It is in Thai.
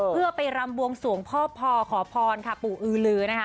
เพื่อไปรำบวงสวงพ่อพอขอพรค่ะปู่อือลือนะคะ